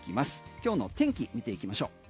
今日の天気見ていきましょう。